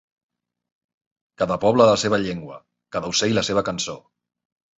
Cada poble la seva llengua, cada ocell la seva cançó.